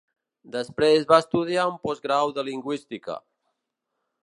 Després va estudiar un postgrau de lingüística.